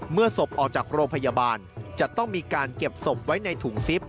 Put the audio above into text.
ศพออกจากโรงพยาบาลจะต้องมีการเก็บศพไว้ในถุงซิป